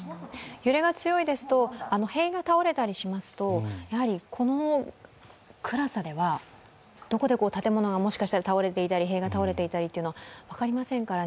揺れが強いですと塀が倒れたりしますとこの暗さではどこで建物がもしかしたら倒れていたり、塀が倒れていたりっていうのは分かりませんからね。